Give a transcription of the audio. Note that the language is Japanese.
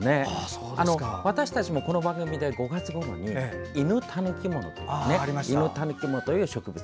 私たちもこの番組で５月ごろにイヌタヌキモという植物